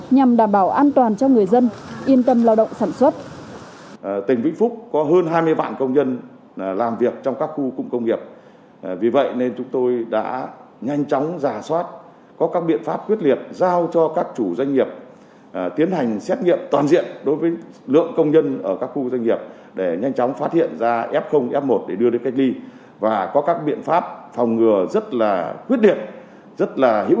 nhằm đảm bảo an toàn cho người dân yên tâm lao động sản xuất